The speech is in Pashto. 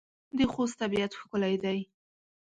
د خوست طبيعت ښکلی دی.